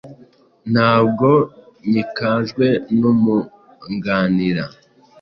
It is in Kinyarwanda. Ntabwo nhihikajwe no kumuanganira